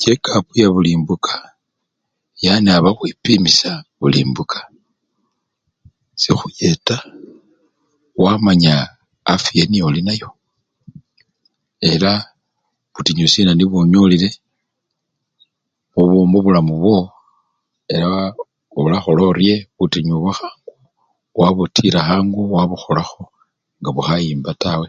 Chekapu yabuli mbuka, yani aba wipimisya buli mbuka, sikhuyeta wamanya afiya niyo olinayo elabutinyu sina nibwo onyolile mubu mubulamu bwo ela olakhola orye butinyu bwakhangu wabutila khangu wabukholakho nga bukhayimba tawe.